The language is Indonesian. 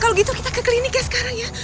kalau gitu kita ke klinik ya sekarang ya